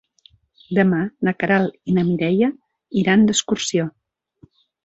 Demà na Queralt i na Mireia iran d'excursió.